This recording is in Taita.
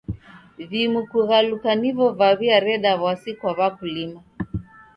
Vimu kughaluka nivo vaw'iareda w'asi kwa w'akulima.